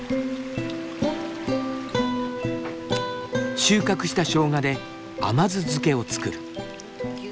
収穫したしょうがで甘酢漬けを作る。